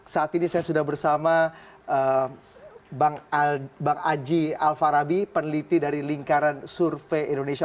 saat ini saya sudah bersama bang aji alfarabi peneliti dari lingkaran survei indonesia